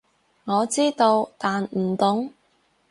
我知道，但唔懂